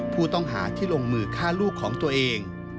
ผู้ต้องหาที่ลงมือฆ่าลูกของตัวเอง